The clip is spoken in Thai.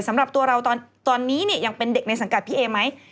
สำหรับตัวเราตอนนี้เนี่ยยังเป็นเด็กในสังกัดพี่เอไหม